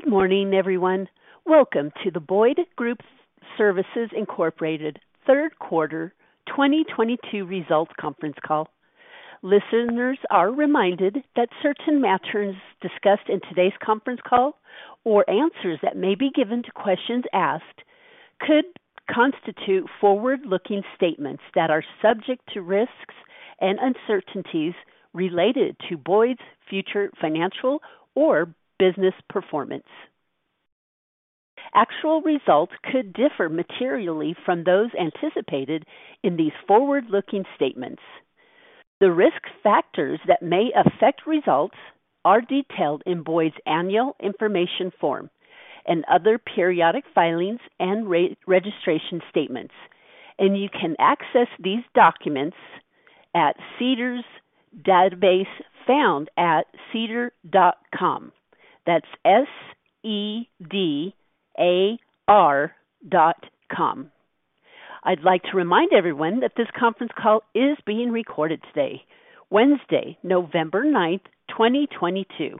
Good morning, everyone. Welcome to the Boyd Group Services Incorporated third quarter 2022 results conference call. Listeners are reminded that certain matters discussed in today's conference call or answers that may be given to questions asked could constitute forward-looking statements that are subject to risks and uncertainties related to Boyd's future financial or business performance. Actual results could differ materially from those anticipated in these forward-looking statements. The risk factors that may affect results are detailed in Boyd's annual information form and other periodic filings and registration statements. You can access these documents at SEDAR's database found at sedar.com. That's S-E-D-A-R.com. I'd like to remind everyone that this conference call is being recorded today, Wednesday, November 9th, 2022.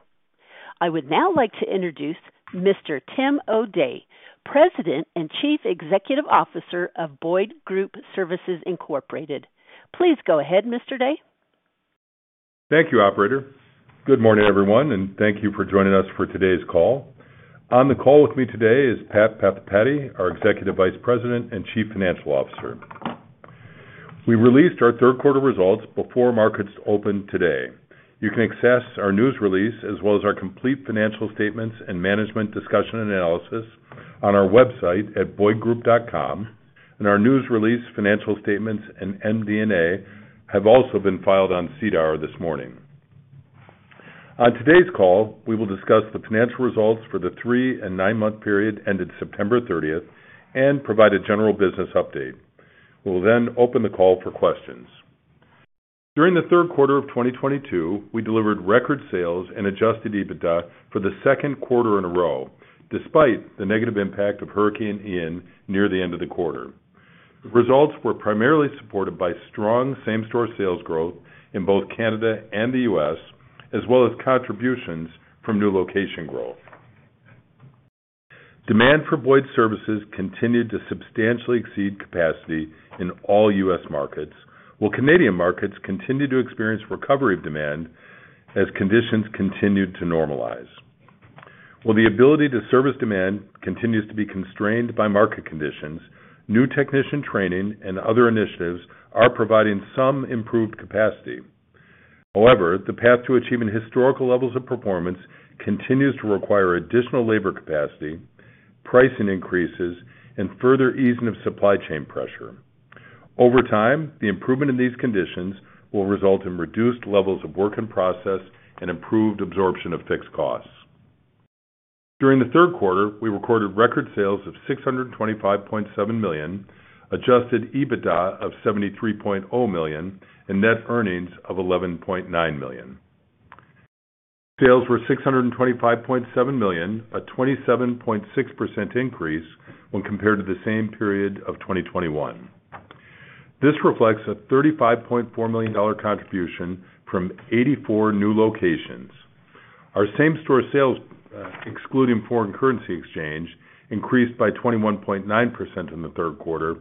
I would now like to introduce Mr. Tim O'Day, President and Chief Executive Officer of Boyd Group Services Incorporated. Please go ahead, Mr. O'Day. Thank you, operator. Good morning, everyone, and thank you for joining us for today's call. On the call with me today is Narendra Pathipati, our Executive Vice President and Chief Financial Officer. We released our third quarter results before markets opened today. You can access our news release as well as our complete financial statements and management discussion and analysis on our website at boydgroup.com, and our news release, financial statements, and MD&A have also been filed on SEDAR this morning. On today's call, we will discuss the financial results for the three- and nine-month period ended September 30 and provide a general business update. We will then open the call for questions. During the third quarter of 2022, we delivered record sales and Adjusted EBITDA for the second quarter in a row, despite the negative impact of Hurricane Ian near the end of the quarter. Results were primarily supported by strong same-store sales growth in both Canada and the US, as well as contributions from new location growth. Demand for Boyd's services continued to substantially exceed capacity in all US markets, while Canadian markets continued to experience recovery of demand as conditions continued to normalize. While the ability to service demand continues to be constrained by market conditions, new technician training and other initiatives are providing some improved capacity. However, the path to achieving historical levels of performance continues to require additional labor capacity, pricing increases, and further easing of supply chain pressure. Over time, the improvement in these conditions will result in reduced levels of work in process and improved absorption of fixed costs. During the third quarter, we recorded record sales of 625.7 million, Adjusted EBITDA of 73.0 million, and net earnings of 11.9 million. Sales were 625.7 million, a 27.6% increase when compared to the same period of 2021. This reflects a 35.4 million dollar contribution from 84 new locations. Our same-store sales, excluding foreign currency exchange, increased by 21.9% in the third quarter,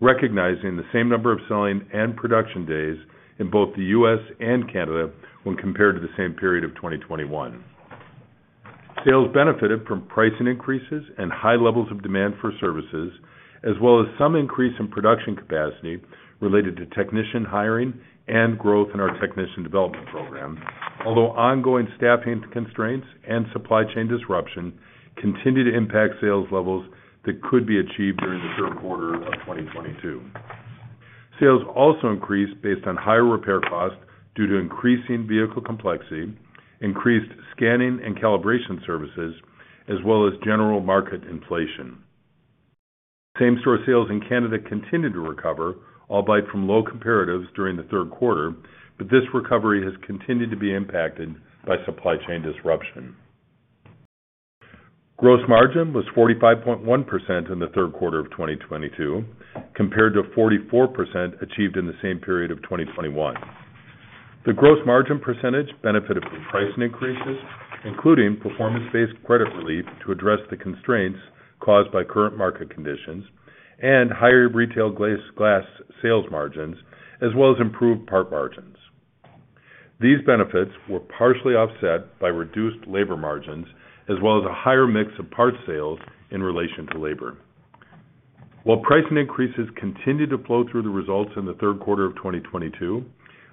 recognizing the same number of selling and production days in both the US and Canada when compared to the same period of 2021. Sales benefited from pricing increases and high levels of demand for services, as well as some increase in production capacity related to technician hiring and growth in our Technician Development Program. Although ongoing staffing constraints and supply chain disruption continued to impact sales levels that could be achieved during the third quarter of 2022. Sales also increased based on higher repair costs due to increasing vehicle complexity, increased scanning and calibration services, as well as general market inflation. Same-store sales in Canada continued to recover, albeit from low comparatives during the third quarter, but this recovery has continued to be impacted by supply chain disruption. Gross margin was 45.1% in the third quarter of 2022, compared to 44% achieved in the same period of 2021. The gross margin percentage benefited from price increases, including performance-based credit relief to address the constraints caused by current market conditions and higher retail glass sales margins, as well as improved part margins. These benefits were partially offset by reduced labor margins as well as a higher mix of parts sales in relation to labor. While pricing increases continued to flow through the results in the third quarter of 2022,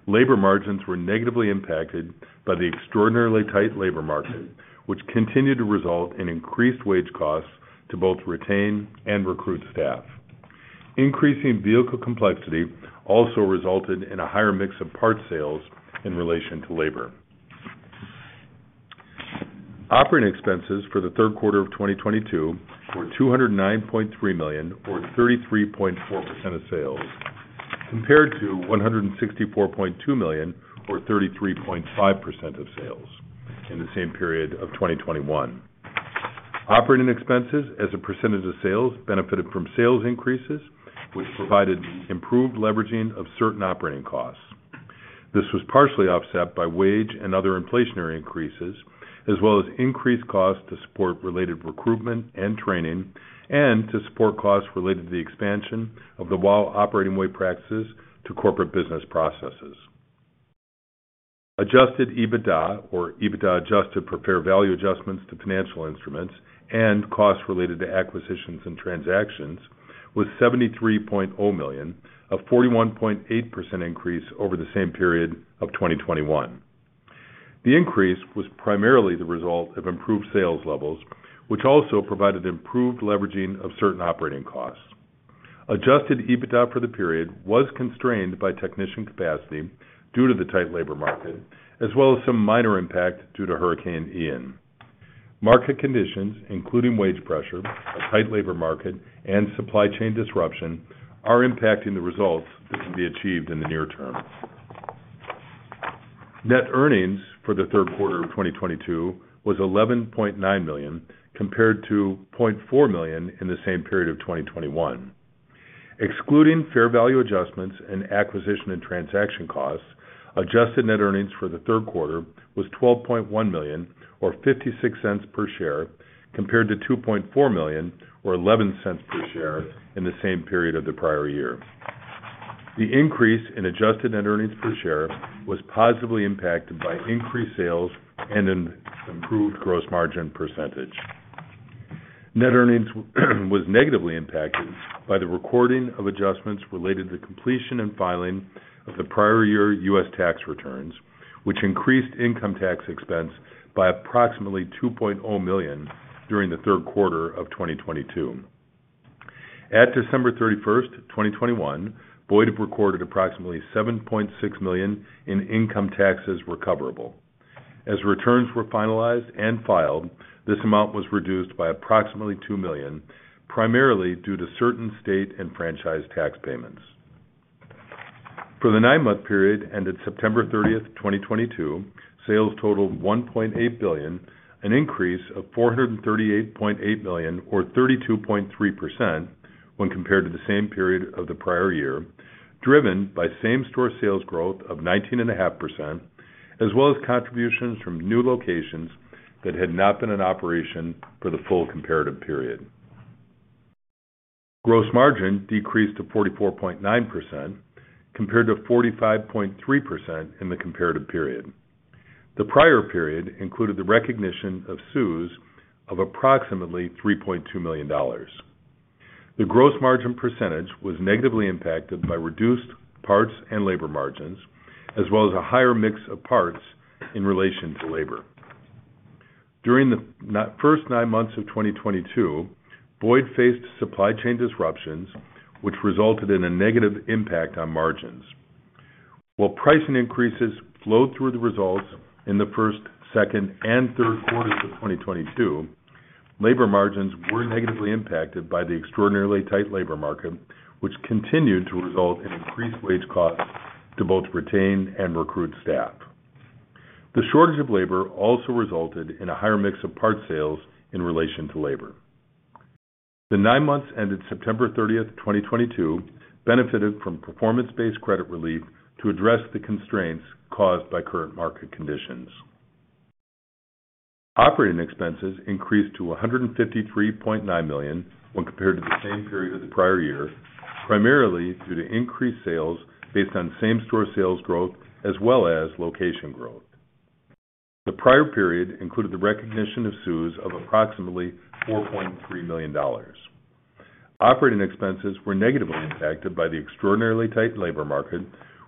labor margins were negatively impacted by the extraordinarily tight labor market, which continued to result in increased wage costs to both retain and recruit staff. Increasing vehicle complexity also resulted in a higher mix of parts sales in relation to labor. Operating expenses for the third quarter of 2022 were 209.3 million or 33.4% of sales, compared to 164.2 million or 33.5% of sales in the same period of 2021. Operating expenses as a percentage of sales benefited from sales increases, which provided improved leveraging of certain operating costs. This was partially offset by wage and other inflationary increases, as well as increased costs to support related recruitment and training and to support costs related to the expansion of the WOW Operating Way practices to corporate business processes. Adjusted EBITDA, or EBITDA adjusted for fair value adjustments to financial instruments and costs related to acquisitions and transactions, was 73.0 million, a 41.8% increase over the same period of 2021. The increase was primarily the result of improved sales levels, which also provided improved leveraging of certain operating costs. Adjusted EBITDA for the period was constrained by technician capacity due to the tight labor market, as well as some minor impact due to Hurricane Ian. Market conditions, including wage pressure, a tight labor market, and supply chain disruption are impacting the results that can be achieved in the near term. Net earnings for the third quarter of 2022 was 11.9 million, compared to 0.4 million in the same period of 2021. Excluding fair value adjustments and acquisition and transaction costs, adjusted net earnings for the third quarter was 12.1 million, or 0.56 per share, compared to 2.4 million, or 0.11 per share in the same period of the prior year. The increase in adjusted net earnings per share was positively impacted by increased sales and an improved gross margin percentage. Net earnings was negatively impacted by the recording of adjustments related to completion and filing of the prior year US tax returns, which increased income tax expense by approximately 2.0 million during the third quarter of 2022. At December 31, 2021, Boyd have recorded approximately 7.6 million in income taxes recoverable. As returns were finalized and filed, this amount was reduced by approximately 2 million, primarily due to certain state and franchise tax payments. For the nine-month period ended September 30, 2022, sales totaled 1.8 billion, an increase of 438.8 million or 32.3% when compared to the same period of the prior year, driven by same-store sales growth of 19.5%, as well as contributions from new locations that had not been in operation for the full comparative period. Gross margin decreased to 44.9% compared to 45.3% in the comparative period. The prior period included the recognition of CEWS of approximately 3.2 million dollars. The gross margin percentage was negatively impacted by reduced parts and labor margins, as well as a higher mix of parts in relation to labor. During the first 9 months of 2022, Boyd faced supply chain disruptions, which resulted in a negative impact on margins. While pricing increases flowed through the results in the first, second, and third quarters of 2022, labor margins were negatively impacted by the extraordinarily tight labor market, which continued to result in increased wage costs to both retain and recruit staff. The shortage of labor also resulted in a higher mix of parts sales in relation to labor. The nine months ended September 30, 2022, benefited from performance-based credit relief to address the constraints caused by current market conditions. Operating expenses increased to 153.9 million when compared to the same period of the prior year, primarily due to increased sales based on same-store sales growth as well as location growth. The prior period included the recognition of CEWS of approximately 4.3 million dollars. Operating expenses were negatively impacted by the extraordinarily tight labor market,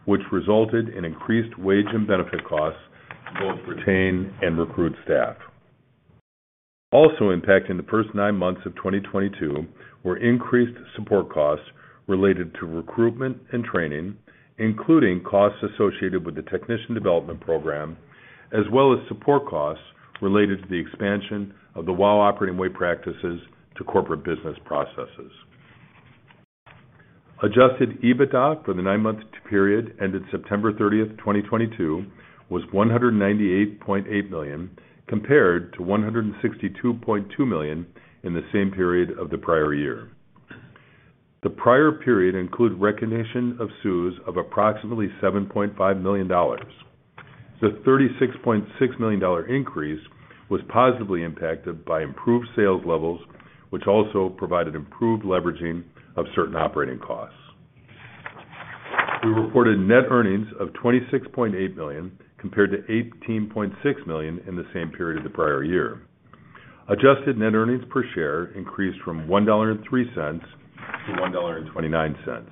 which resulted in increased wage and benefit costs to both retain and recruit staff. Also impacting the first nine months of 2022 were increased support costs related to recruitment and training, including costs associated with the Technician Development Program, as well as support costs related to the expansion of the WOW Operating Way practices to corporate business processes. Adjusted EBITDA for the nine-month period ended September 30, 2022, was 198.8 million, compared to 162.2 million in the same period of the prior year. The prior period included recognition of CEWS of approximately 7.5 million dollars. The 36.6 million dollar increase was positively impacted by improved sales levels, which also provided improved leveraging of certain operating costs. We reported net earnings of 26.8 million compared to 18.6 million in the same period of the prior year. Adjusted net earnings per share increased from 1.03 dollar to 1.29 dollar.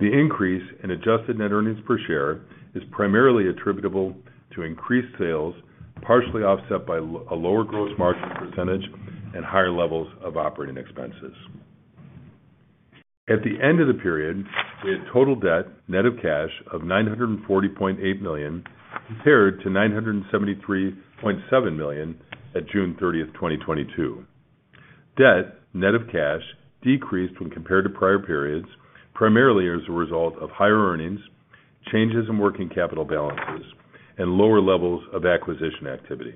The increase in adjusted net earnings per share is primarily attributable to increased sales, partially offset by a lower gross margin percentage and higher levels of operating expenses. At the end of the period, we had total debt net of cash of 940.8 million compared to 973.7 million at June 30, 2022. Debt net of cash decreased when compared to prior periods primarily as a result of higher earnings, changes in working capital balances, and lower levels of acquisition activity.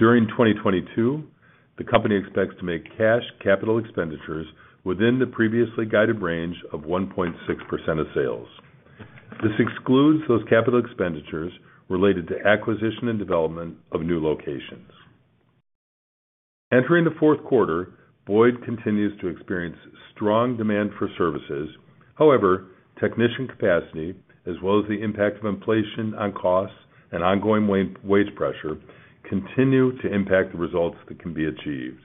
During 2022, the company expects to make cash capital expenditures within the previously guided range of 1.6% of sales. This excludes those capital expenditures related to acquisition and development of new locations. Entering the fourth quarter, Boyd continues to experience strong demand for services. However, technician capacity, as well as the impact of inflation on costs and ongoing wage pressure, continue to impact the results that can be achieved.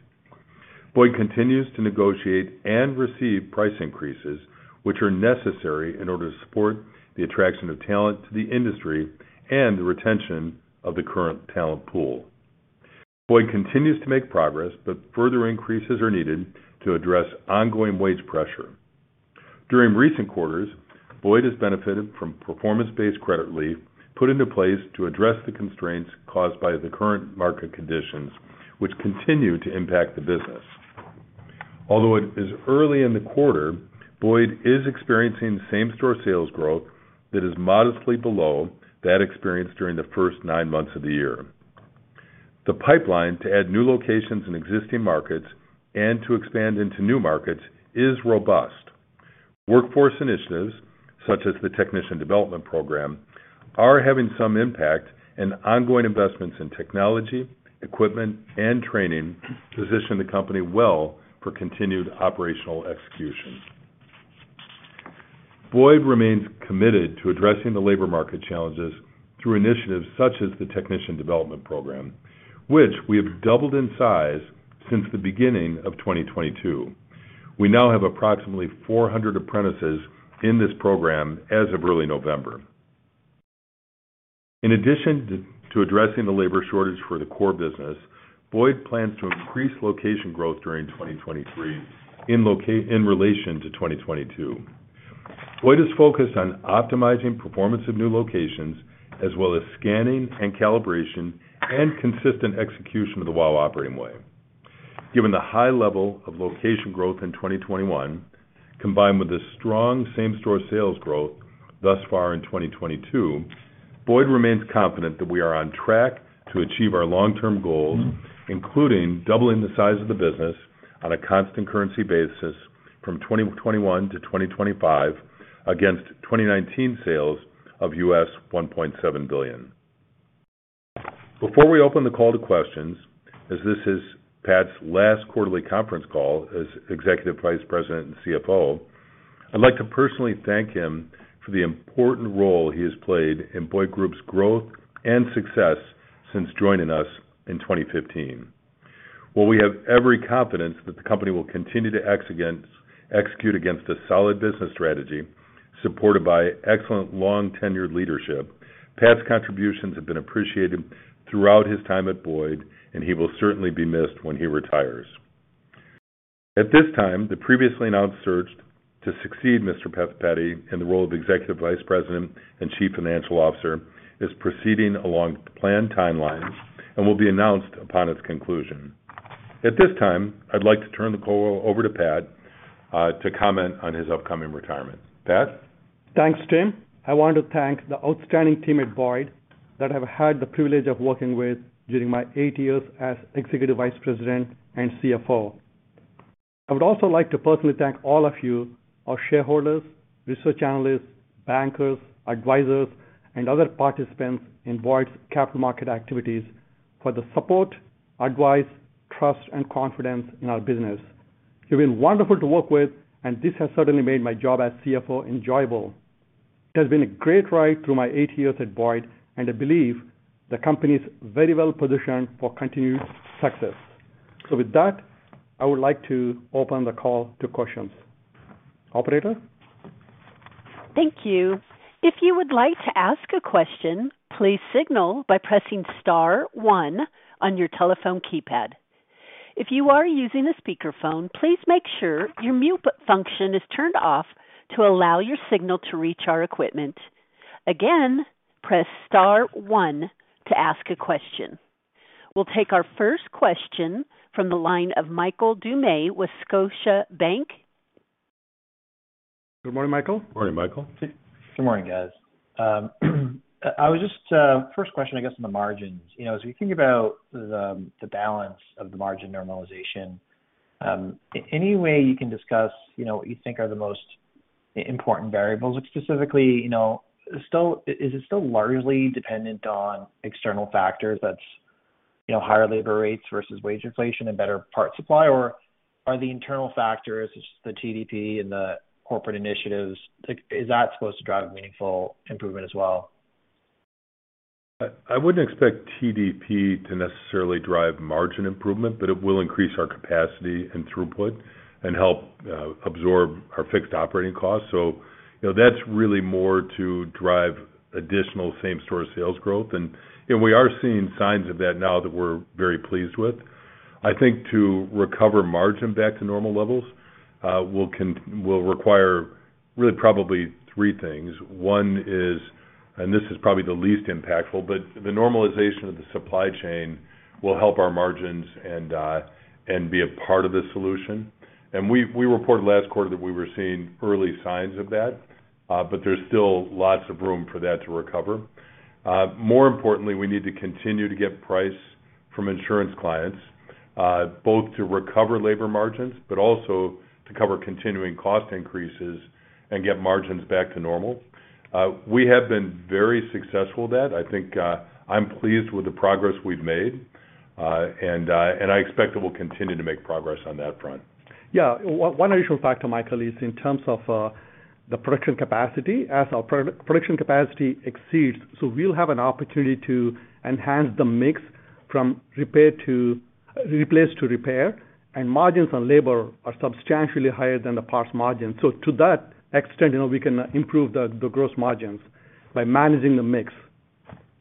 Boyd continues to negotiate and receive price increases, which are necessary in order to support the attraction of talent to the industry and the retention of the current talent pool. Boyd continues to make progress, but further increases are needed to address ongoing wage pressure. During recent quarters, Boyd has benefited from performance-based credit relief put into place to address the constraints caused by the current market conditions, which continue to impact the business. Although it is early in the quarter, Boyd is experiencing same-store sales growth that is modestly below that experienced during the first nine months of the year. The pipeline to add new locations in existing markets and to expand into new markets is robust. Workforce initiatives, such as the Technician Development Program, are having some impact, and ongoing investments in technology, equipment, and training position the company well for continued operational execution. Boyd remains committed to addressing the labor market challenges through initiatives such as the Technician Development Program, which we have doubled in size since the beginning of 2022. We now have approximately 400 apprentices in this program as of early November. In addition to addressing the labor shortage for the core business, Boyd plans to increase location growth during 2023 in relation to 2022. Boyd is focused on optimizing performance of new locations as well as scanning and calibration and consistent execution of the WOW Operating Way. Given the high level of location growth in 2021, combined with the strong same-store sales growth thus far in 2022, Boyd remains confident that we are on track to achieve our long-term goals, including doubling the size of the business on a constant currency basis from 2021 to 2025 against 2019 sales of $1.7 billion. Before we open the call to questions, as this is Pat's last quarterly conference call as Executive Vice President and CFO, I'd like to personally thank him for the important role he has played in Boyd Group's growth and success since joining us in 2015. While we have every confidence that the company will continue to execute against a solid business strategy supported by excellent long-tenured leadership, Pat's contributions have been appreciated throughout his time at Boyd, and he will certainly be missed when he retires. At this time, the previously announced search to succeed Mr. Pathipati in the role of Executive Vice President and Chief Financial Officer is proceeding along the planned timelines and will be announced upon its conclusion. At this time, I'd like to turn the call over to Pat to comment on his upcoming retirement. Pat? Thanks, Tim. I want to thank the outstanding team at Boyd that I've had the privilege of working with during my eight years as Executive Vice President and CFO. I would also like to personally thank all of you, our shareholders, research analysts, bankers, advisors, and other participants in Boyd's capital market activities for the support, advice, trust, and confidence in our business. You've been wonderful to work with, and this has certainly made my job as CFO enjoyable. It has been a great ride through my eight years at Boyd, and I believe the company is very well positioned for continued success. With that, I would like to open the call to questions. Operator? Thank you. If you would like to ask a question, please signal by pressing star one on your telephone keypad. If you are using a speakerphone, please make sure your mute function is turned off to allow your signal to reach our equipment. Again, press star one to ask a question. We'll take our first question from the line of Michael Doumet with Scotiabank. Good morning, Michael. Morning, Michael. Good morning, guys. First question, I guess, on the margins. You know, as we think about the balance of the margin normalization, any way you can discuss, you know, what you think are the most important variables? Like specifically, you know, is it still largely dependent on external factors that's, you know, higher labor rates versus wage inflation and better part supply, or are the internal factors, such as the TDP and the corporate initiatives, like, is that supposed to drive meaningful improvement as well? I wouldn't expect TDP to necessarily drive margin improvement, but it will increase our capacity and throughput and help absorb our fixed operating costs. You know, that's really more to drive additional same-store sales growth. You know, we are seeing signs of that now that we're very pleased with. I think to recover margin back to normal levels will require really probably three things. One is, and this is probably the least impactful, but the normalization of the supply chain will help our margins and be a part of the solution. We reported last quarter that we were seeing early signs of that, but there's still lots of room for that to recover. More importantly, we need to continue to get price from insurance clients, both to recover labor margins, but also to cover continuing cost increases and get margins back to normal. We have been very successful with that. I think, I'm pleased with the progress we've made, and I expect that we'll continue to make progress on that front. Yeah. One additional factor, Michael, is in terms of the production capacity. As our production capacity exceeds, we'll have an opportunity to enhance the mix from replace to repair, and margins on labor are substantially higher than the parts margin. To that extent, you know, we can improve the gross margins by managing the mix,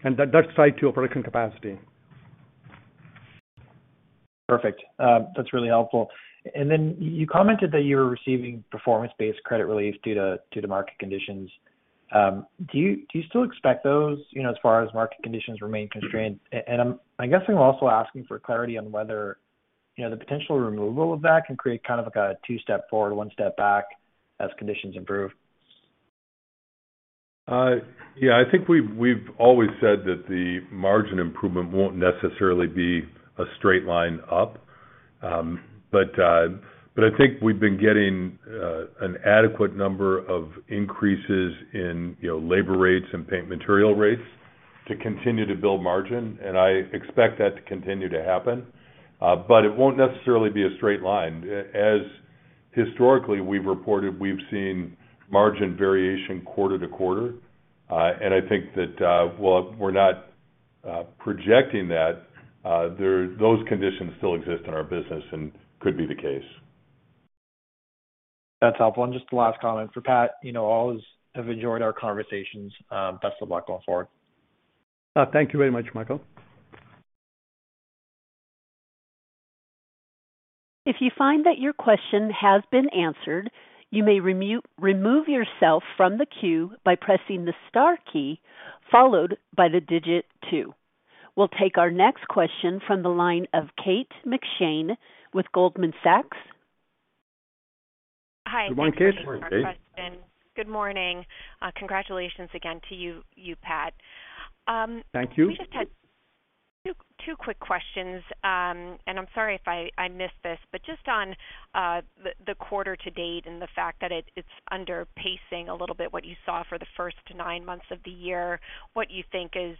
and that does tie to our production capacity. Perfect. That's really helpful. You commented that you were receiving performance-based credit relief due to market conditions. Do you still expect those, you know, as far as market conditions remain constrained? I guess I'm also asking for clarity on whether, you know, the potential removal of that can create kind of like a two step forward, one step back as conditions improve. Yeah. I think we've always said that the margin improvement won't necessarily be a straight line up. I think we've been getting an adequate number of increases in, you know, labor rates and paint material rates to continue to build margin, and I expect that to continue to happen. It won't necessarily be a straight line. As historically, we've reported we've seen margin variation quarter to quarter. I think that, while we're not projecting that, those conditions still exist in our business and could be the case. That's helpful. Just the last comment for Pat. You know, always have enjoyed our conversations. Best of luck going forward. Thank you very much, Michael. If you find that your question has been answered, you may remove yourself from the queue by pressing the star key followed by the digit two. We'll take our next question from the line of Kate McShane with Goldman Sachs. Come on, Kate. Good morning, Kate. Hi, thanks for taking my question. Good morning. Congratulations again to you, Pat. Thank you. We just had two quick questions. I'm sorry if I missed this, but just on the quarter to date and the fact that it's under pacing a little bit, what you saw for the first nine months of the year, what you think is,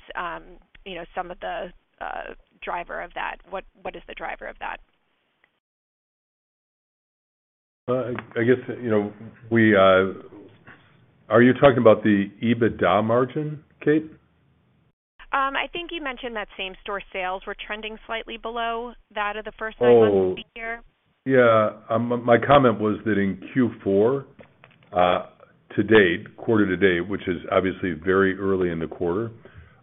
you know, some of the driver of that. What is the driver of that? I guess, you know, are you talking about the EBITDA margin, Kate? I think you mentioned that same-store sales were trending slightly below that of the first nine months of the year. My comment was that in Q4 to date, quarter to date, which is obviously very early in the quarter,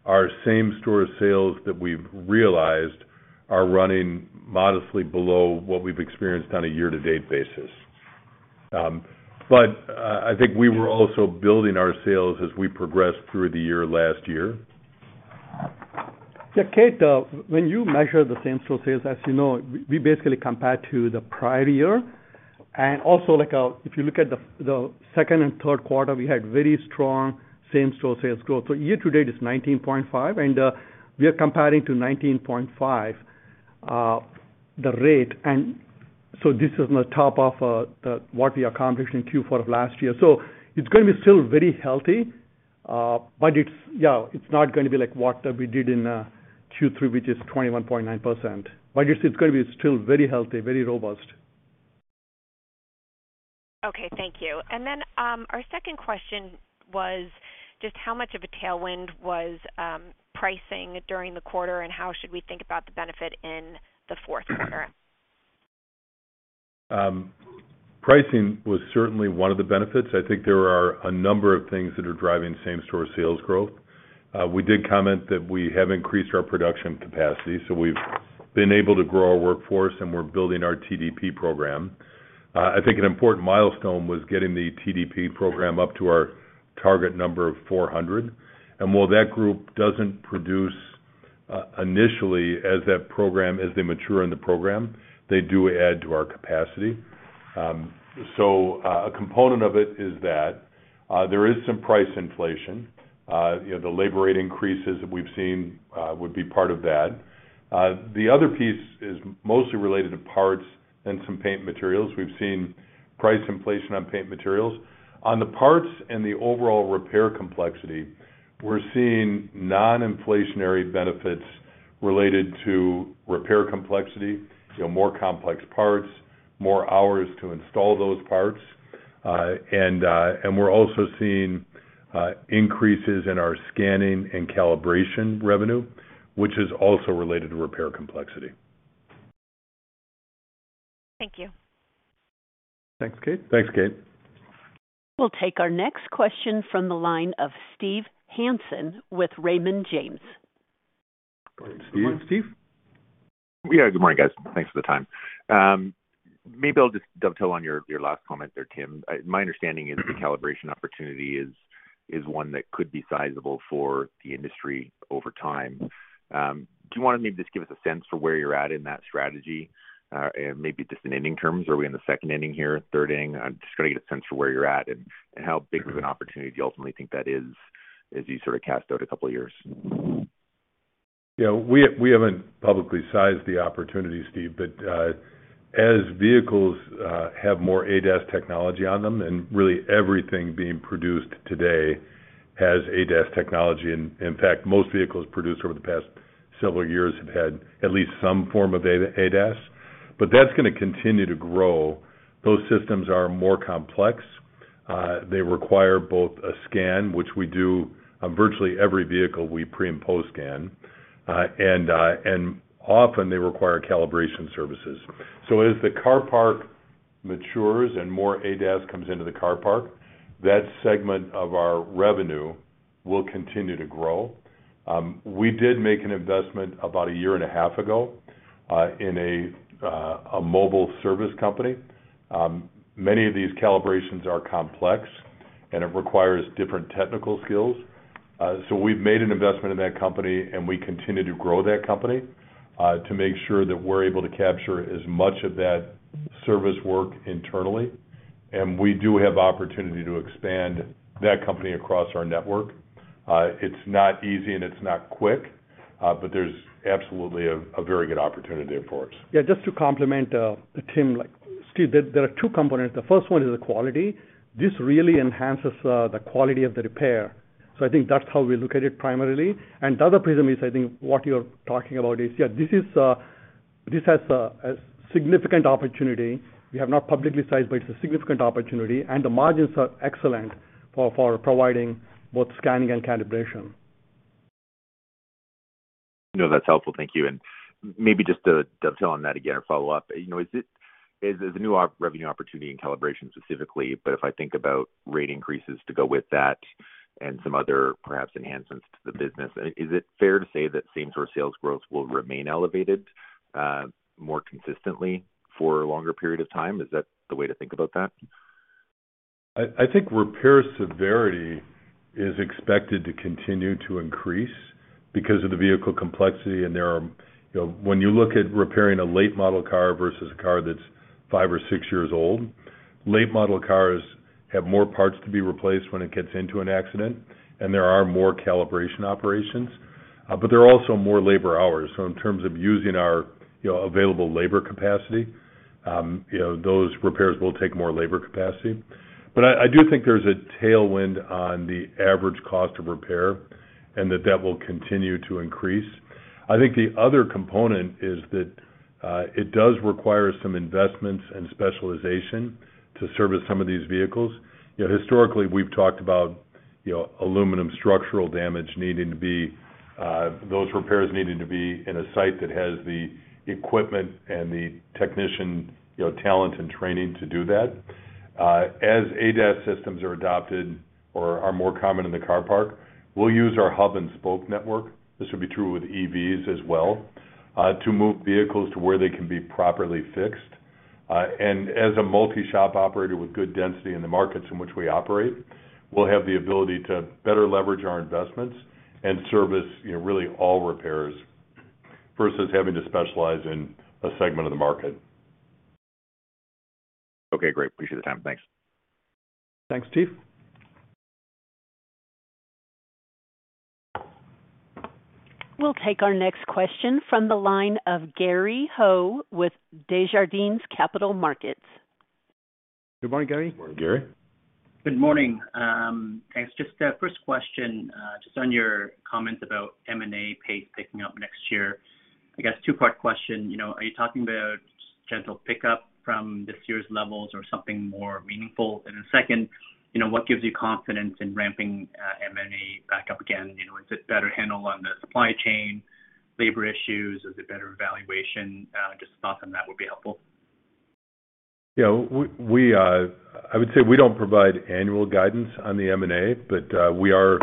our same-store sales that we've realized are running modestly below what we've experienced on a year-to-date basis. I think we were also building our sales as we progressed through the year last year. Yeah, Kate, when you measure the same-store sales, as you know, we basically compare to the prior year. If you look at the second and third quarter, we had very strong same-store sales growth. Year to date is 19.5%, and we are comparing to 19.5%, the rate. This is on top of what we accomplished in Q4 of last year. It's gonna be still very healthy, but it's, yeah, it's not gonna be like what we did in Q3, which is 21.9%. I guess it's gonna be still very healthy, very robust. Okay, thank you. Our second question was just how much of a tailwind was pricing during the quarter, and how should we think about the benefit in the fourth quarter? Pricing was certainly one of the benefits. I think there are a number of things that are driving same-store sales growth. We did comment that we have increased our production capacity, so we've been able to grow our workforce, and we're building our TDP program. I think an important milestone was getting the TDP program up to our target number of 400. While that group doesn't produce initially as that program, as they mature in the program, they do add to our capacity. So, a component of it is that there is some price inflation. You know, the labor rate increases that we've seen would be part of that. The other piece is mostly related to parts and some paint materials. We've seen price inflation on paint materials. On the parts and the overall repair complexity, we're seeing non-inflationary benefits related to repair complexity. You know, more complex parts, more hours to install those parts. We're also seeing increases in our scanning and calibration revenue, which is also related to repair complexity. Thank you. Thanks, Kate. Thanks, Kate. We'll take our next question from the line of Steve Hansen with Raymond James. Going to Steve. Steve. Yeah. Good morning, guys. Thanks for the time. Maybe I'll just dovetail on your last comment there, Tim. My understanding is the calibration opportunity is one that could be sizable for the industry over time. Do you wanna maybe just give us a sense for where you're at in that strategy, and maybe just in inning terms. Are we in the second inning here, third inning? I'm just trying to get a sense for where you're at and how big of an opportunity you ultimately think that is as you sort of cast out a couple of years. Yeah. We haven't publicly sized the opportunity, Steve, but as vehicles have more ADAS technology on them, and really everything being produced today has ADAS technology. In fact, most vehicles produced over the past several years have had at least some form of ADAS. That's gonna continue to grow. Those systems are more complex. They require both a scan, which we do on virtually every vehicle we pre and post scan, and often they require calibration services. As the car park matures and more ADAS comes into the car park, that segment of our revenue will continue to grow. We did make an investment about a year and a half ago in a mobile service company. Many of these calibrations are complex, and it requires different technical skills. We've made an investment in that company, and we continue to grow that company to make sure that we're able to capture as much of that service work internally. We do have opportunity to expand that company across our network. It's not easy and it's not quick, but there's absolutely a very good opportunity for us. Just to complement Tim. Like, Steve, there are two components. The first one is the quality. This really enhances the quality of the repair. So I think that's how we look at it primarily. The other prism is, I think what you're talking about is, this has a significant opportunity. We have not publicly sized, but it's a significant opportunity, and the margins are excellent for providing both scanning and calibration. No, that's helpful. Thank you. Maybe just to dovetail on that again or follow up. You know, is the new revenue opportunity in calibration specifically, but if I think about rate increases to go with that and some other perhaps enhancements to the business, is it fair to say that same-store sales growth will remain elevated more consistently for a longer period of time? Is that the way to think about that? I think repair severity is expected to continue to increase because of the vehicle complexity. There are. You know, when you look at repairing a late model car versus a car that's five or six years old, late model cars have more parts to be replaced when it gets into an accident, and there are more calibration operations, but there are also more labor hours. In terms of using our, you know, available labor capacity, you know, those repairs will take more labor capacity. I do think there's a tailwind on the average cost of repair and that will continue to increase. I think the other component is that, it does require some investments and specialization to service some of these vehicles. You know, historically, we've talked about, you know, aluminum structural damage needing to be, those repairs needing to be in a site that has the equipment and the technician, you know, talent and training to do that. As ADAS systems are adopted or are more common in the car park, we'll use our hub and spoke network, this would be true with EVs as well, to move vehicles to where they can be properly fixed. As a multi-shop operator with good density in the markets in which we operate, we'll have the ability to better leverage our investments and service, you know, really all repairs versus having to specialize in a segment of the market. Okay, great. Appreciate the time. Thanks. Thanks, Steve. We'll take our next question from the line of Gary Ho with Desjardins Capital Markets. Good morning, Gary. Good morning, Gary. Good morning. Thanks. Just first question, just on your comments about M&A pace picking up next year. I guess two-part question. You know, are you talking about gentle pickup from this year's levels or something more meaningful? Second, you know, what gives you confidence in ramping M&A back up again? You know, is it better handle on the supply chain, labor issues? Is it better valuation? Just thoughts on that would be helpful. You know, I would say we don't provide annual guidance on the M&A, but we are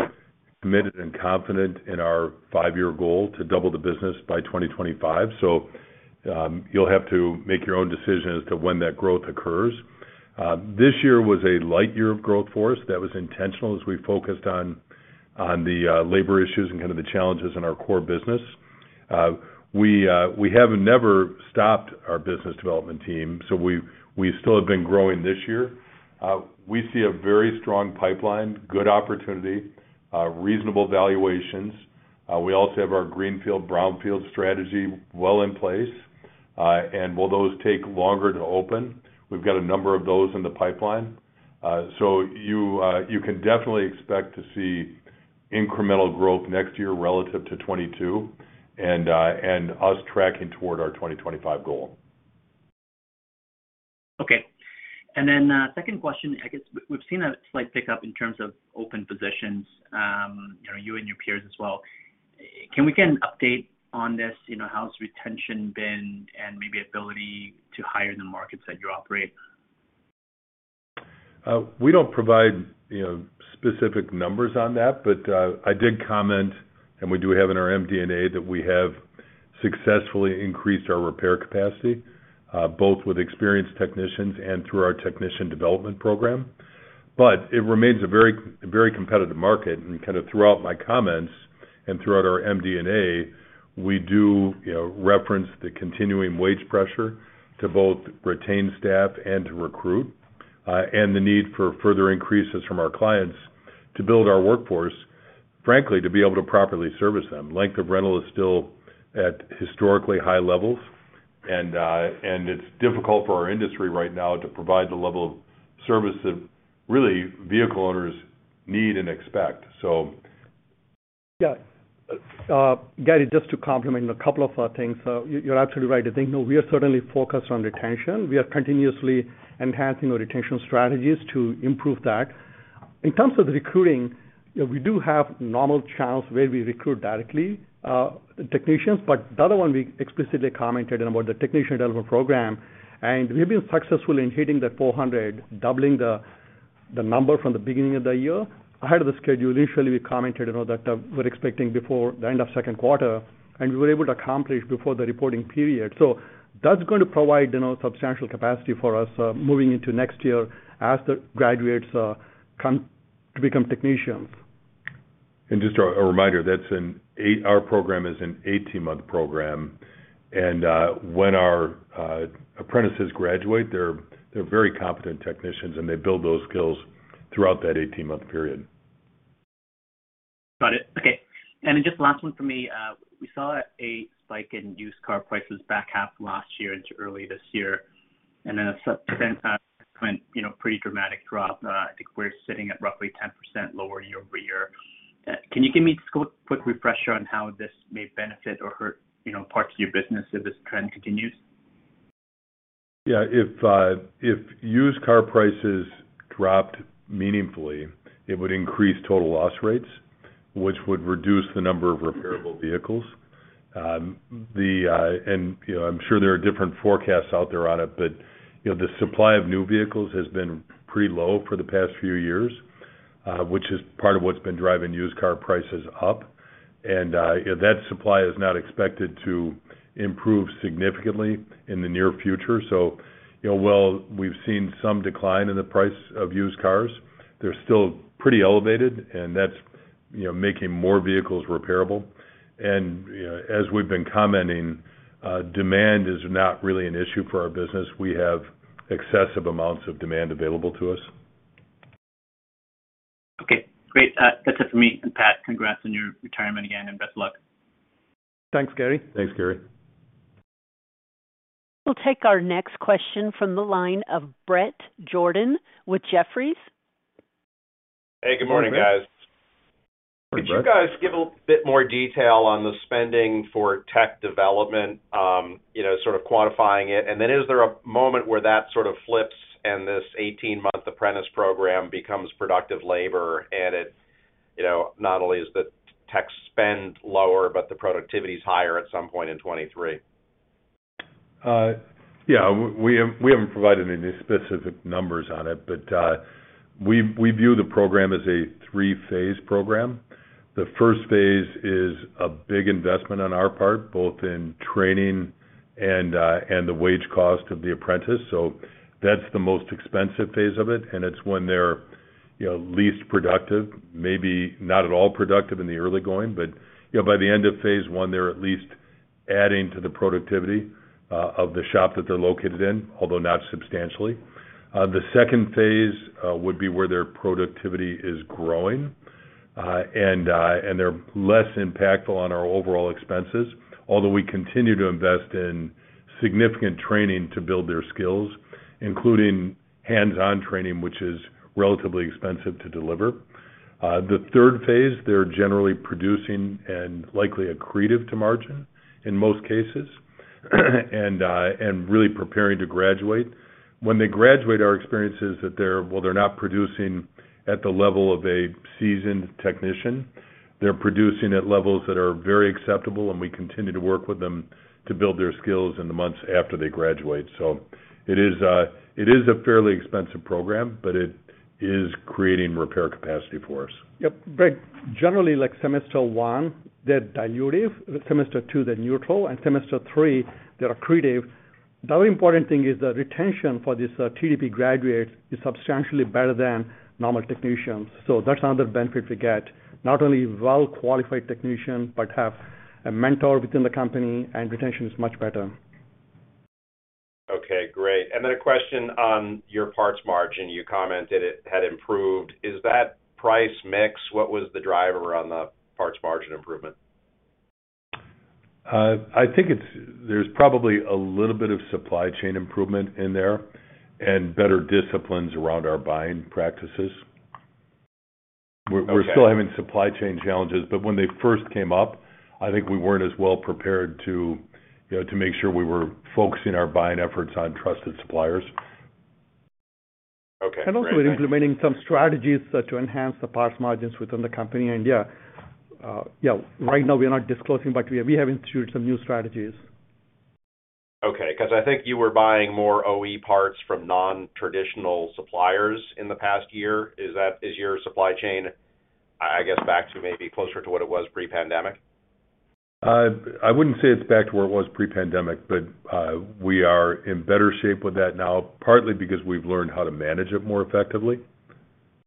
committed and confident in our five-year goal to double the business by 2025. You'll have to make your own decision as to when that growth occurs. This year was a light year of growth for us. That was intentional as we focused on labor issues and kind of the challenges in our core business. We have never stopped our business development team, so we still have been growing this year. We see a very strong pipeline, good opportunity, reasonable valuations. We also have our greenfield, brownfield strategy well in place. While those take longer to open, we've got a number of those in the pipeline. You can definitely expect to see incremental growth next year relative to 2022 and us tracking toward our 2025 goal. Okay. Second question. I guess we've seen a slight pickup in terms of open positions, you know, you and your peers as well. Can we get an update on this? You know, how's retention been and maybe ability to hire the markets that you operate? We don't provide, you know, specific numbers on that. I did comment, and we do have in our MD&A, that we have successfully increased our repair capacity, both with experienced technicians and through our Technician Development Program. It remains a very competitive market. Kind of throughout my comments and throughout our MD&A, we do, you know, reference the continuing wage pressure to both retain staff and to recruit, and the need for further increases from our clients to build our workforce, frankly, to be able to properly service them. Length of rental is still at historically high levels, and it's difficult for our industry right now to provide the level of service that really vehicle owners need and expect. Yeah. Gary, just to complement a couple of things. You're absolutely right. I think, you know, we are certainly focused on retention. We are continuously enhancing our retention strategies to improve that. In terms of recruiting, you know, we do have normal channels where we recruit directly technicians. The other one we explicitly commented about the Technician Development Program, and we've been successful in hitting the 400, doubling the number from the beginning of the year ahead of the schedule. Initially, we commented on that, we're expecting before the end of second quarter, and we were able to accomplish before the reporting period. That's gonna provide, you know, substantial capacity for us, moving into next year as the graduates come to become technicians. Just a reminder, our program is an 18-month program. When our apprentices graduate, they're very competent technicians, and they build those skills throughout that 18-month period. Got it. Okay. Just last one for me. We saw a spike in used car prices back half last year into early this year, and then since then, you know, pretty dramatic drop. I think we're sitting at roughly 10% lower year-over-year. Can you give me just a quick refresher on how this may benefit or hurt, you know, parts of your business if this trend continues? Yeah. If used car prices dropped meaningfully, it would increase total loss rates, which would reduce the number of repairable vehicles. You know, I'm sure there are different forecasts out there on it, but you know, the supply of new vehicles has been pretty low for the past few years, which is part of what's been driving used car prices up. That supply is not expected to improve significantly in the near future. You know, while we've seen some decline in the price of used cars, they're still pretty elevated, and that's you know, making more vehicles repairable. You know, as we've been commenting, demand is not really an issue for our business. We have excessive amounts of demand available to us. Okay, great. That's it for me. Pat, congrats on your retirement again, and best of luck. Thanks, Gary. Thanks, Gary. We'll take our next question from the line of Bret Jordan with Jefferies. Hey, good morning, guys. Good morning, Bret. Could you guys give a bit more detail on the spending for tech development, you know, sort of quantifying it? Then is there a moment where that sort of flips and this eighteen-month apprentice program becomes productive labor, and it's, you know, not only is the tech spend lower, but the productivity is higher at some point in 2023? We haven't provided any specific numbers on it, but we view the program as a three-phase program. The first phase is a big investment on our part, both in training and the wage cost of the apprentice. That's the most expensive phase of it, and it's when they're, you know, least productive, maybe not at all productive in the early going. You know, by the end of phase one, they're at least adding to the productivity of the shop that they're located in, although not substantially. The second phase would be where their productivity is growing, and they're less impactful on our overall expenses. Although we continue to invest in significant training to build their skills, including hands-on training, which is relatively expensive to deliver. The third phase, they're generally producing and likely accretive to margin in most cases, and really preparing to graduate. When they graduate, our experience is that they're, while they're not producing at the level of a seasoned technician, they're producing at levels that are very acceptable, and we continue to work with them to build their skills in the months after they graduate. It is a fairly expensive program, but it is creating repair capacity for us. Yep. Brett, generally, like semester one, they're dilutive, semester two, they're neutral, and semester three, they're accretive. The other important thing is that retention for this TDP graduate is substantially better than normal technicians. That's another benefit we get, not only well-qualified technician, but have a mentor within the company, and retention is much better. Okay, great. A question on your parts margin. You commented it had improved. Is that price mix? What was the driver on the parts margin improvement? I think there's probably a little bit of supply chain improvement in there and better disciplines around our buying practices. Okay. We're still having supply chain challenges, but when they first came up, I think we weren't as well prepared to, you know, to make sure we were focusing our buying efforts on trusted suppliers. Okay. Great. Also we're implementing some strategies to enhance the parts margins within the company. Yeah, right now we are not disclosing, but we have introduced some new strategies. Okay. Because I think you were buying more OE parts from non-traditional suppliers in the past year. Is your supply chain, I guess, back to maybe closer to what it was pre-pandemic? I wouldn't say it's back to where it was pre-pandemic, but we are in better shape with that now, partly because we've learned how to manage it more effectively.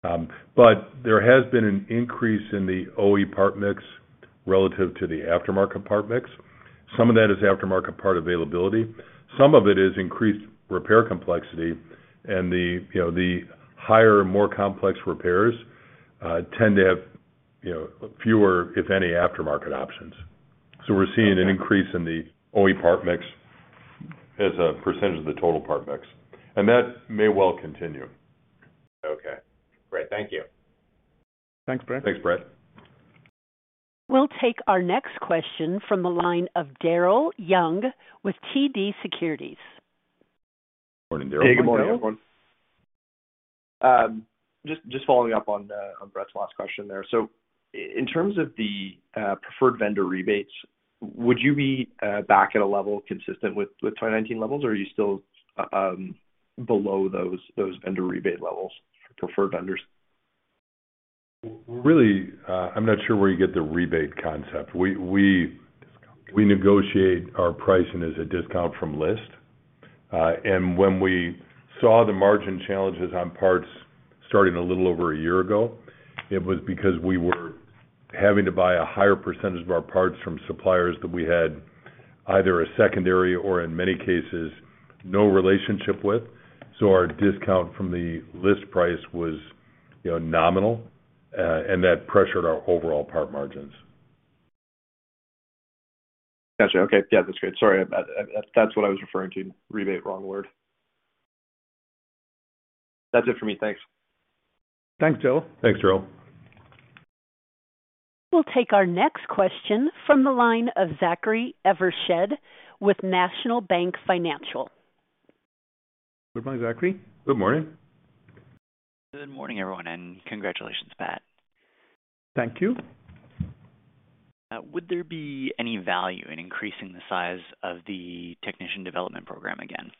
There has been an increase in the OE part mix relative to the aftermarket part mix. Some of that is aftermarket part availability, some of it is increased repair complexity. You know, the higher and more complex repairs tend to have, you know, fewer, if any, aftermarket options. We're seeing an increase in the OE part mix as a percentage of the total part mix, and that may well continue. Okay. Great. Thank you. Thanks, Bret. Thanks, Bret. We'll take our next question from the line of Daryl Young with TD Securities. Morning, Daryl. Good morning, everyone. Hey, good morning, everyone. Just following up on Bret's last question there. In terms of the preferred vendor rebates, would you be back at a level consistent with 2019 levels, or are you still below those vendor rebate levels for preferred vendors? Really, I'm not sure where you get the rebate concept. We negotiate our pricing as a discount from list. When we saw the margin challenges on parts starting a little over a year ago, it was because we were having to buy a higher percentage of our parts from suppliers that we had either a secondary or in many cases, no relationship with. Our discount from the list price was, you know, nominal. That pressured our overall part margins. Got you. Okay. Yeah, that's great. Sorry, that's what I was referring to. Rebate, wrong word. That's it for me. Thanks. Thanks, Daryl. Thanks, Daryl. We'll take our next question from the line of Zachary Evershed with National Bank Financial. Good morning, Zachary. Good morning. Good morning, everyone, and congratulations, Pat. Thank you. Would there be any value in increasing the size of the Technician Development Program again?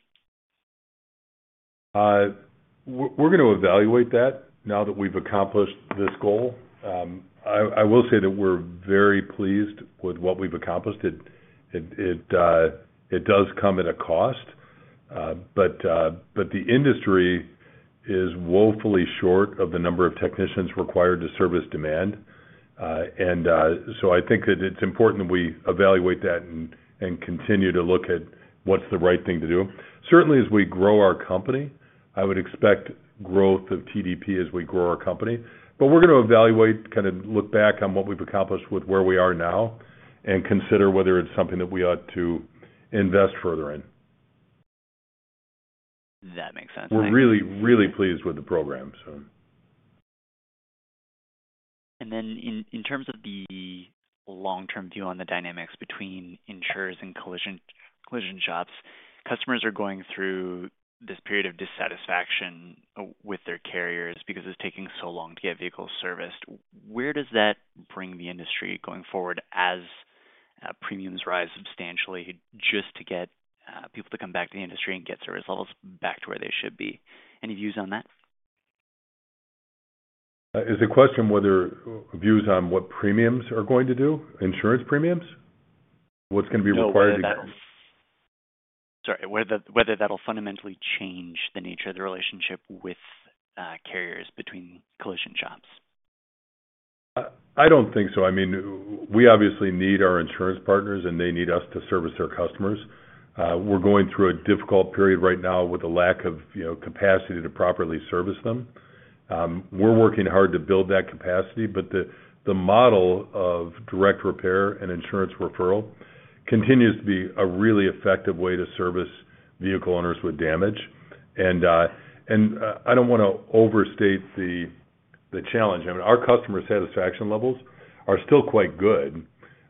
We're gonna evaluate that now that we've accomplished this goal. I will say that we're very pleased with what we've accomplished. It does come at a cost. The industry is woefully short of the number of technicians required to service demand. I think that it's important that we evaluate that and continue to look at what's the right thing to do. Certainly, as we grow our company, I would expect growth of TDP as we grow our company. We're gonna evaluate, kind of look back on what we've accomplished with where we are now and consider whether it's something that we ought to invest further in. That makes sense. Thank you. We're really, really pleased with the program. In terms of the long-term view on the dynamics between insurers and collision shops, customers are going through this period of dissatisfaction with their carriers because it's taking so long to get vehicles serviced. Where does that bring the industry going forward as premiums rise substantially just to get people to come back to the industry and get service levels back to where they should be? Any views on that? Is the question whether views on what premiums are going to do, insurance premiums? What's gonna be required to- No, whether that'll fundamentally change the nature of the relationship with carriers between collision shops. I don't think so. I mean, we obviously need our insurance partners, and they need us to service their customers. We're going through a difficult period right now with a lack of, you know, capacity to properly service them. We're working hard to build that capacity, but the model of direct repair and insurance referral continues to be a really effective way to service vehicle owners with damage. I don't wanna overstate the challenge. I mean, our customer satisfaction levels are still quite good,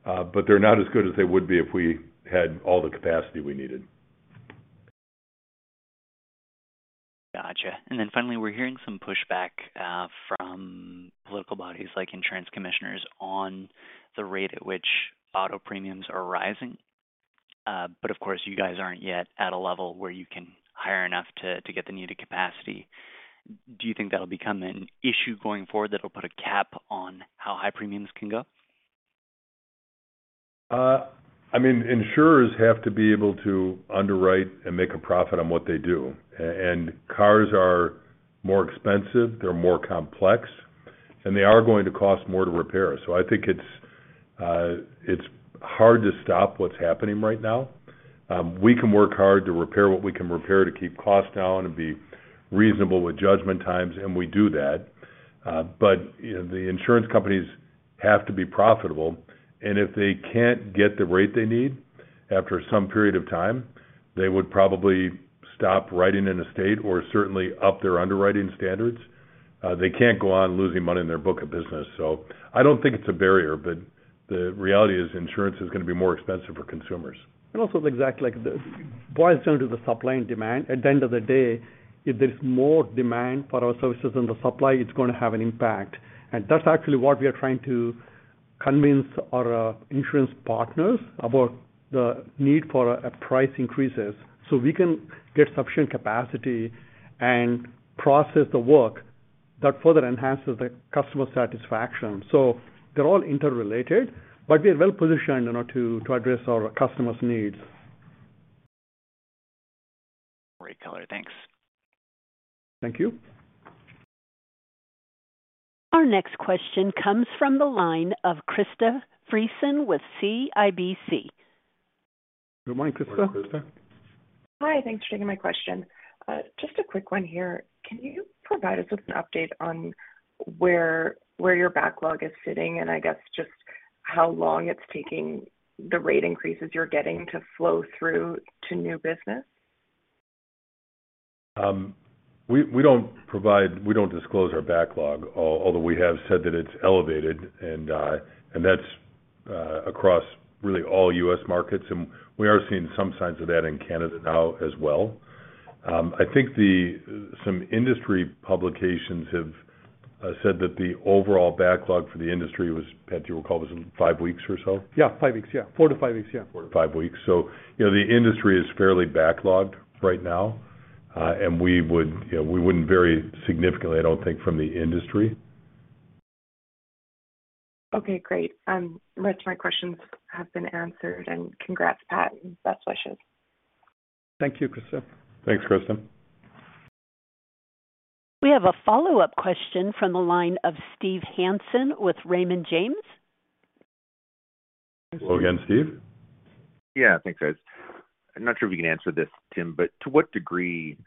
but they're not as good as they would be if we had all the capacity we needed. Gotcha. Finally, we're hearing some pushback from political bodies like insurance commissioners on the rate at which auto premiums are rising. Of course, you guys aren't yet at a level where you can hire enough to get the needed capacity. Do you think that'll become an issue going forward that'll put a cap on how high premiums can go? I mean, insurers have to be able to underwrite and make a profit on what they do. Cars are more expensive, they're more complex, and they are going to cost more to repair. I think it's hard to stop what's happening right now. We can work hard to repair what we can repair to keep costs down and be reasonable with judgment times, and we do that. You know, the insurance companies have to be profitable, and if they can't get the rate they need after some period of time, they would probably stop writing in a state or certainly up their underwriting standards. They can't go on losing money in their book of business. I don't think it's a barrier, but the reality is insurance is gonna be more expensive for consumers. Boils down to the supply and demand. At the end of the day, if there's more demand for our services than the supply, it's gonna have an impact. That's actually what we are trying to convince our insurance partners about the need for a price increases, so we can get sufficient capacity and process the work that further enhances the customer satisfaction. They're all interrelated, but we're well-positioned in order to address our customers' needs. Great, Zachary Evershed. Thanks. Thank you. Our next question comes from the line of Krista Friesen with CIBC. Good morning, Krista. Good morning, Krista. Hi. Thanks for taking my question. Just a quick one here. Can you provide us with an update on where your backlog is sitting and I guess just how long it's taking the rate increases you're getting to flow through to new business? We don't disclose our backlog, although we have said that it's elevated and that's across really all US markets, and we are seeing some signs of that in Canada now as well. I think some industry publications have said that the overall backlog for the industry was, Pat, you recall, five weeks or so? Yeah, five weeks. Yeah. four to five weeks. Yeah. Four to five weeks. You know, the industry is fairly backlogged right now. We would, you know, we wouldn't vary significantly, I don't think, from the industry. Okay, great. The rest of my questions have been answered. Congrats, Pat, and best wishes. Thank you, Krista. Thanks, Krista. We have a follow-up question from the line of Steve Hansen with Raymond James. Hello again, Steve. Yeah. Thanks, guys. I'm not sure if you can answer this, Tim, but to what degree,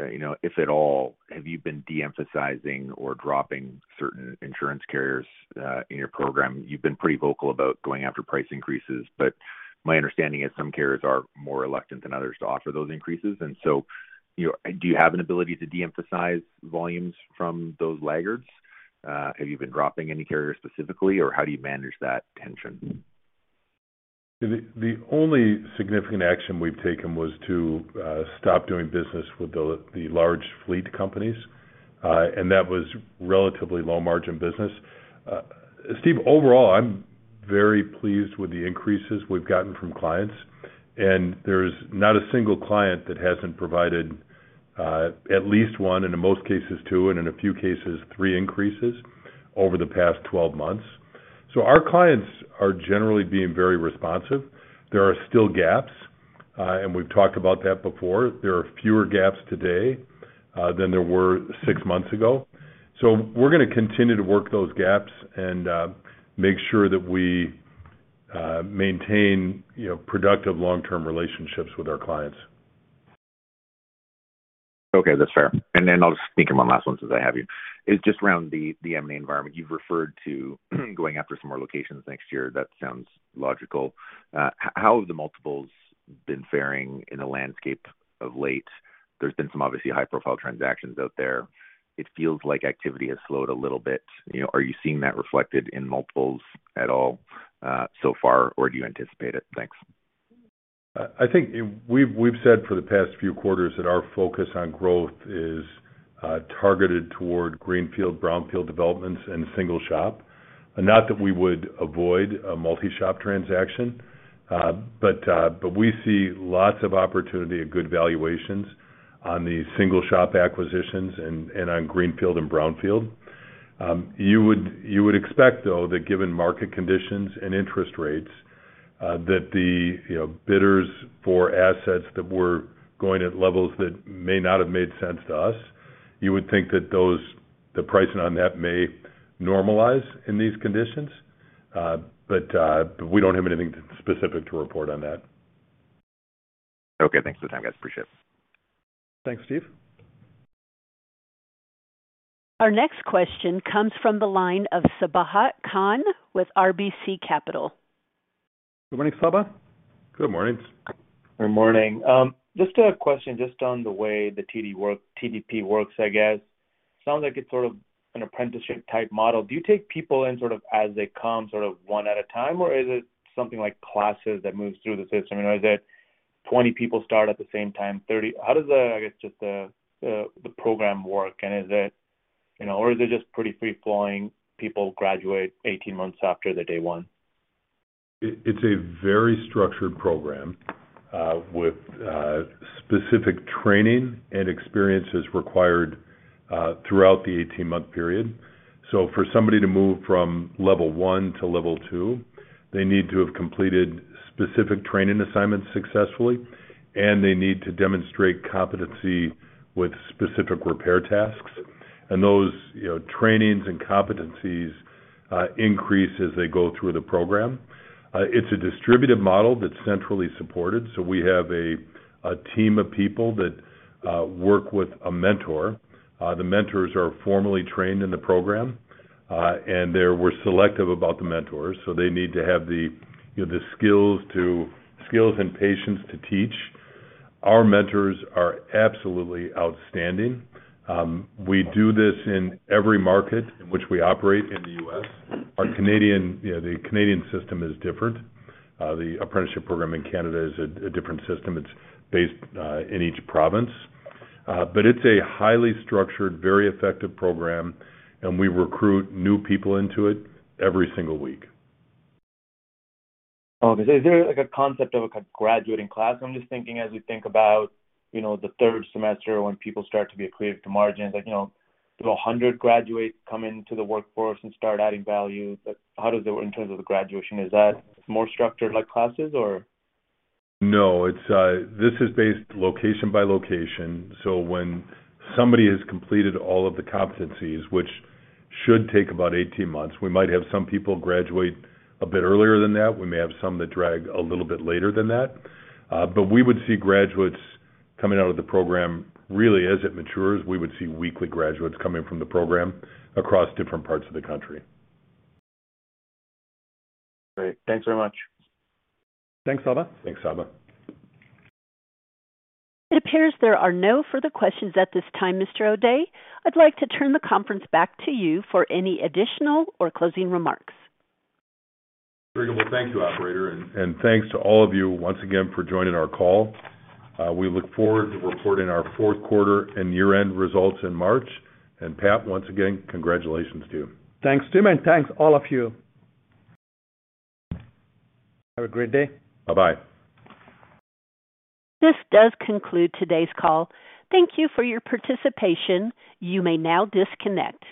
you know, if at all, have you been de-emphasizing or dropping certain insurance carriers in your program? You've been pretty vocal about going after price increases, but my understanding is some carriers are more reluctant than others to offer those increases. You know, do you have an ability to de-emphasize volumes from those laggards? Have you been dropping any carriers specifically? How do you manage that tension? The only significant action we've taken was to stop doing business with the large fleet companies. Steve, overall, I'm very pleased with the increases we've gotten from clients, and there's not a single client that hasn't provided at least one, and in most cases, two, and in a few cases, three increases over the past 12 months. Our clients are generally being very responsive. There are still gaps, and we've talked about that before. There are fewer gaps today than there were six months ago. We're gonna continue to work those gaps and make sure that we maintain, you know, productive long-term relationships with our clients. Okay. That's fair. Then I'll just sneak in one last one since I have you. It's just around the M&A environment. You've referred to going after some more locations next year. That sounds logical. How have the multiples been faring in the landscape of late? There's been some obviously high-profile transactions out there. It feels like activity has slowed a little bit. You know, are you seeing that reflected in multiples at all, so far? Or do you anticipate it? Thanks. I think we've said for the past few quarters that our focus on growth is targeted toward greenfield, brownfield developments in single shop. Not that we would avoid a multi-shop transaction, but we see lots of opportunity at good valuations on the single shop acquisitions and on greenfield and brownfield. You would expect though that given market conditions and interest rates, that the, you know, bidders for assets that were going at levels that may not have made sense to us, you would think that those, the pricing on that may normalize in these conditions. But we don't have anything specific to report on that. Okay. Thanks for the time, guys. Appreciate it. Thanks, Steve. Our next question comes from the line of Sabahat Khan with RBC Capital. Good morning, Sabahat. Good morning. Good morning. Just a question just on the way the TDP works, I guess. Sounds like it's sort of an apprenticeship type model. Do you take people in sort of as they come, sort of one at a time? Or is it something like classes that moves through the system? Or is it 20 people start at the same time, 30? How does the, I guess just the program work, and is it or is it just pretty free-flowing, people graduate 18 months after the day one? It's a very structured program with specific training and experiences required throughout the 18-month period. For somebody to move from level 1 to level 2, they need to have completed specific training assignments successfully, and they need to demonstrate competency with specific repair tasks. Those, you know, trainings and competencies increase as they go through the program. It's a distributed model that's centrally supported. We have a team of people that work with a mentor. The mentors are formally trained in the program, and we're selective about the mentors, so they need to have the, you know, the skills and patience to teach. Our mentors are absolutely outstanding. We do this in every market in which we operate in the US. Our Canadian, you know, the Canadian system is different. The apprenticeship program in Canada is a different system. It's based in each province. It's a highly structured, very effective program, and we recruit new people into it every single week. Okay. Is there like a concept of a graduating class? I'm just thinking as we think about, you know, the third semester when people start to be accretive to margins. Like, you know, do 100 graduates come into the workforce and start adding value? How does it in terms of the graduation? Is that more structured like classes or? No. It's. This is based location by location. When somebody has completed all of the competencies, which should take about 18 months, we might have some people graduate a bit earlier than that. We may have some that drag a little bit later than that. But we would see graduates coming out of the program. Really, as it matures, we would see weekly graduates coming from the program across different parts of the country. Great. Thanks very much. Thanks, Sabahat. Thanks, Sabahat. It appears there are no further questions at this time, Tim O'Day. I'd like to turn the conference back to you for any additional or closing remarks. Very well. Thank you, operator. Thanks to all of you once again for joining our call. We look forward to reporting our fourth quarter and year-end results in March. Pat, once again, congratulations to you. Thanks, Tim, and thanks all of you. Have a great day. Bye-bye. This does conclude today's call. Thank you for your participation. You may now disconnect.